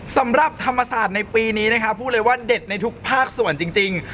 สำหรับธรรมศาสตร์ในปีนี้นะคะพูดเลยว่าเด็ดในทุกภาคส่วนจริง